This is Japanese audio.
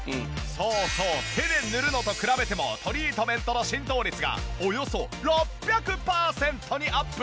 そうそう手で塗るのと比べてもトリートメントの浸透率がおよそ６００パーセントにアップ！